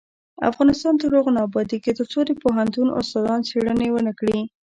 افغانستان تر هغو نه ابادیږي، ترڅو د پوهنتون استادان څیړنې ونکړي.